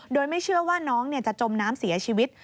โดยไม่เชื่อว่าน้องจะจมน้ำเสียชีวิต